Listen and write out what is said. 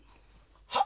はっ？